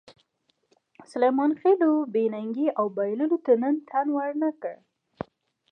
سلیمان خېلو د بې ننګۍ او بایللو ته تن ور نه کړ.